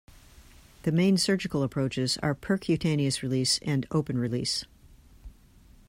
The main surgical approaches are percutaneous release and open release.